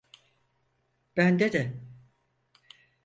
Bende de.